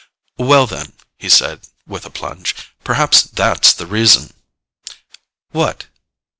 "Well, then," he said with a plunge, "perhaps THAT'S the reason." "What?"